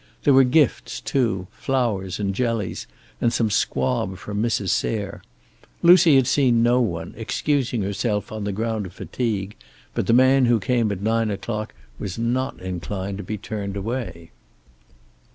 There were gifts, too, flowers and jellies and some squab from Mrs. Sayre. Lucy had seen no one, excusing herself on the ground of fatigue, but the man who came at nine o'clock was not inclined to be turned away.